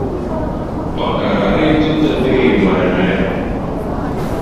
Vakar arī tu te biji, vai ne?